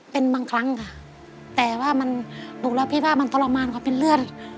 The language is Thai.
เป็นบางครั้งค่ะแต่ว่ามันดูแล้วพี่ว่ามันทรมานกว่าเป็นเลือด